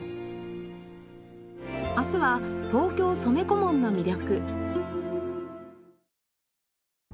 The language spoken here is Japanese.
明日は東京染小紋の魅力。